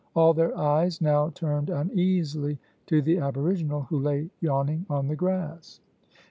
All their eyes now turned uneasily to the Aboriginal, who lay yawning on the grass.